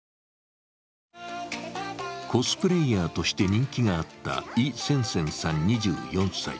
コスプレーヤーとして人気があった依川川さん２４歳。